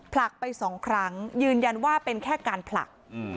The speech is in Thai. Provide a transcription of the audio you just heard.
ผลักไปสองครั้งยืนยันว่าเป็นแค่การผลัก